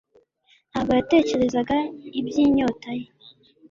Ntabwo yatekerezaga iby'inyota ye,